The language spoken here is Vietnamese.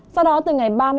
sau đó từ ngày ba mươi một